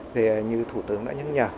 thì như thủ tướng đã nhắc nhở